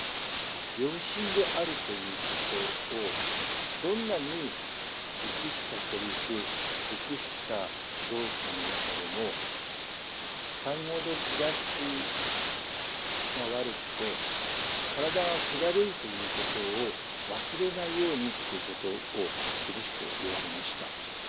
病身であるということをどんなに激したセリフ激した動作の中でも産後の肥立ちが悪くて体が気だるいということを忘れないようにっていうことを厳しく言われました。